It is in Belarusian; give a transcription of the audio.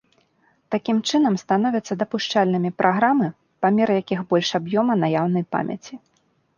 Такім чынам становяцца дапушчальнымі праграмы, памер якіх больш аб'ёма наяўнай памяці.